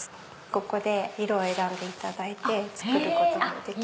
ここで色を選んでいただいて作ることもできます。